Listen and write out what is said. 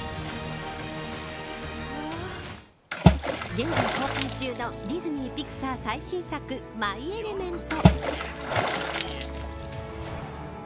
現在公開中のディズニー・ピクサー最新作マイ・エレメント。